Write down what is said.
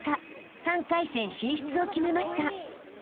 ［３回戦進出を決めました］